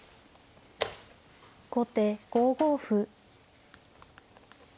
後手５五歩。